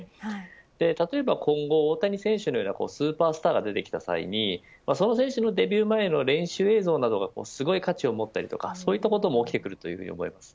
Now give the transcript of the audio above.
例えば今後、大谷選手のようなスーパースターが出てきた際にその選手のデビュー前の練習映像などがすごい価値を持ったりということも起きてくると思います。